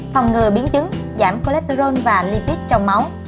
phòng ngừa biến chứng giảm cholesterol và lipid trong máu